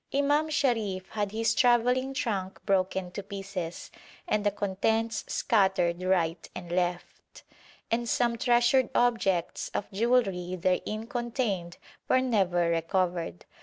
Imam Sharif had his travelling trunk broken to pieces and the contents scattered right and left, and some treasured objects of jewellery therein contained were never recovered.